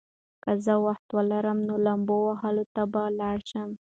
که زه وخت ولرم، نو لامبو وهلو ته به لاړ شم.